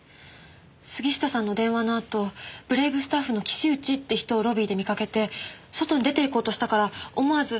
杉下さんの電話のあとブレイブスタッフの岸内って人をロビーで見かけて外に出て行こうとしたから思わず。